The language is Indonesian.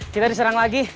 kita diserang lagi